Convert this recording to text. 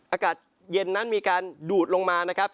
อากาศเย็นนั้นมีการดูดลงมานะครับ